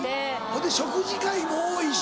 ほんで食事会も多いし。